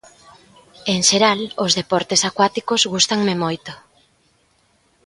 En xeral os deportes acuáticos gústanme moito.